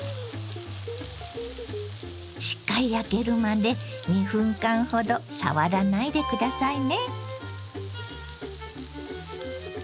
しっかり焼けるまで２分間ほど触らないで下さいね。